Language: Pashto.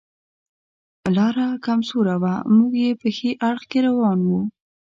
لاره کم سوره وه، موږ یې په ښي اړخ کې روان و.